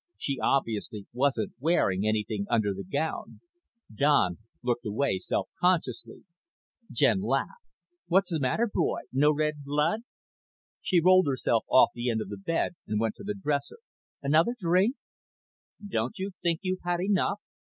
She obviously wasn't wearing anything under the gown. Don looked away self consciously. Jen laughed. "What's the matter, boy? No red blood?" She rolled herself off the end of the bed and went to the dresser. "Another drink?" "Don't you think you've had enough?"